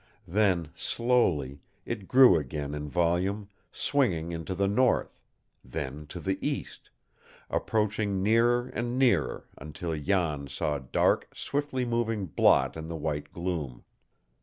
Then, slowly, it grew again in volume, swinging into the north, then to the east approaching nearer and nearer until Jan saw a dark, swiftly moving blot in the white gloom.